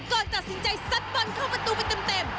ก่อนตัดสินใจซัดบอลเข้าประตูไปเต็ม